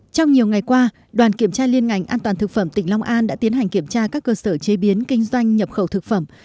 trong nhiều ngày qua đoàn kiểm tra liên ngành an toàn thực phẩm tỉnh long an đã tiến hành kiểm tra các cơ sở chế biến kinh doanh nhập khẩu thực phẩm